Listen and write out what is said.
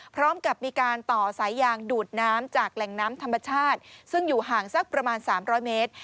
พร้อมกับมีการต่อสายยางดูดน้ำจากแหล่งน้ำธรรมชาติซึ่งอยู่ห่างสักประมาณ๓๐๐เมตร